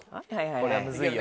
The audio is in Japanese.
これはムズいよ。